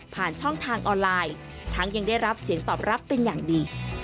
ผ่านช่องทางออนไลน์ทั้งยังได้รับเสียงตอบรับเป็นอย่างดี